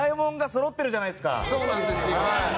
そうなんですよ。